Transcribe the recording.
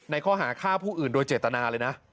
ข้อหาฆ่าผู้อื่นโดยเจตนาเลยนะ